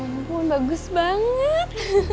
ya ampun bagus banget